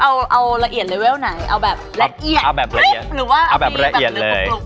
เอาเอาละเอียดเลเวลไหนเอาแบบละเอียดเอาแบบละเอียดหรือว่าเอาแบบละเอียดเลย